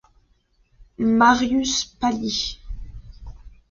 Marius pâlit.